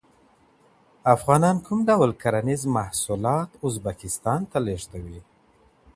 افغانان کوم ډول کرنیز محصولات ازبکستان ته لېږدوي؟